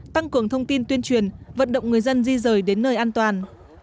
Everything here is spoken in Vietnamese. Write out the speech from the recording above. tăng cường thông tin tuyên truyền vận động người dân di rời đến nơi an toàn